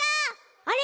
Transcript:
あれ？